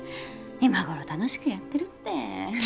今頃楽しくやってるって。